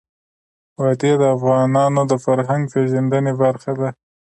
وادي د افغانانو د فرهنګ پیژندني برخه ده.